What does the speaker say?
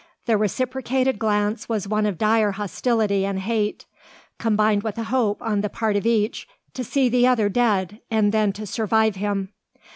The reciprocated glance was one of dire hostility and hate, combined with a hope on the part of each to see the other dead, and then to survive him.